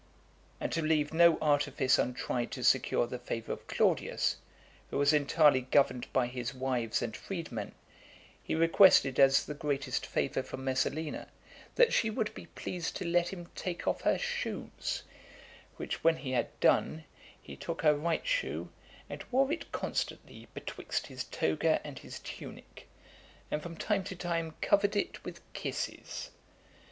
And to leave no artifice untried to secure the favour of Claudius, who was entirely governed by his wives and freedmen, he requested as the greatest favour from Messalina, that she would be pleased to let him take off her shoes; which, when he had done, he took her right shoe, and wore it constantly betwixt his toga and his tunic, and from time to time covered it with kisses.